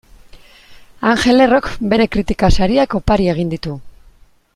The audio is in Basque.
Angel Errok bere kritika sariak opari egin ditu.